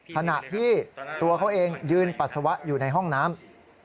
ขณะที่ตัวเขาเองยืนปัสสาวะอยู่ในห้องน้ำ